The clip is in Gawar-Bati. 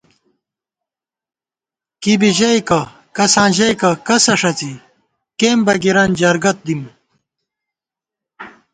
کِبی ژَئیکہ، کساں ژَئیکہ، کسہ ݭَڅی ، کېن بَگِرَن جرگہ دِم